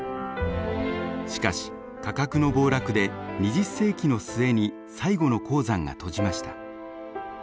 しかし価格の暴落で２０世紀の末に最後の鉱山が閉じました。